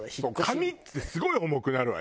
紙ってすごい重くなるわよ。